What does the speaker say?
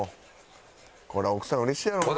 これは奥さんうれしいやろうな。